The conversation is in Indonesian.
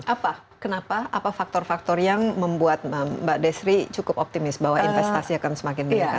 apa kenapa apa faktor faktor yang membuat mbak desri cukup optimis bahwa investasi akan semakin meningkat